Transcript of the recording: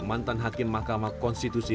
mantan hakim mahkamah konstitusi